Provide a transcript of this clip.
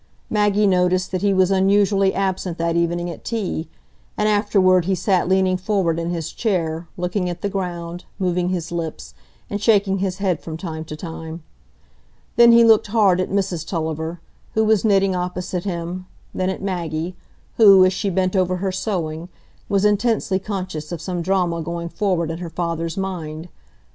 Maggie noticed that he was unusually absent that evening at tea; and afterward he sat leaning forward in his chair, looking at the ground, moving his lips, and shaking his head from time to time. Then he looked hard at Mrs Tulliver, who was knitting opposite him, then at Maggie, who, as she bent over her sewing, was intensely conscious of some drama going forward in her father's mind.